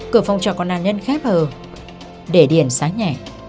cửa phòng cho con an nhân khép hờ để điện sáng nhẹ